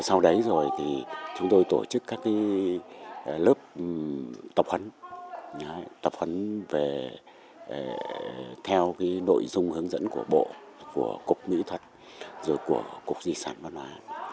sau đấy rồi chúng tôi tổ chức các lớp tập hấn tập hấn theo nội dung hướng dẫn của bộ của cục nghĩa thuật rồi của cục di sản văn hóa